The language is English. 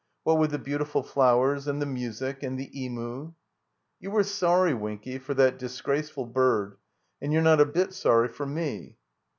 "What with the beautiful flowers and the music and the Emu —" "You were sorry, Winky, for that disgraceful bird, and you're not a bit sorry for me."